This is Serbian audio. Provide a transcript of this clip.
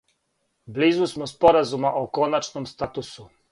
Близу смо споразума о коначном статусу.